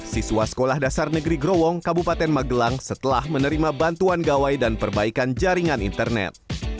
siswa sekolah dasar negeri growong kabupaten magelang setelah menerima bantuan gawai dan perbaikan jaringan internet